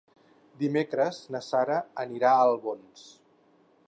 Dimecres na Sara anirà a Albons.